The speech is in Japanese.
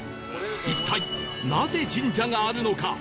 一体なぜ神社があるのか？